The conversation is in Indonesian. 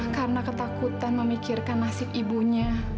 karena ketakutan memikirkan nasib ibunya